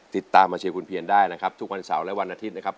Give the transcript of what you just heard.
ติดตามมาเชียร์คุณเพียรได้นะครับทุกวันเสาร์และวันอาทิตย์นะครับ